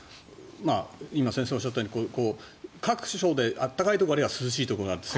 今、先生がおっしゃったように各所で暖かいところもあれば涼しいところもある。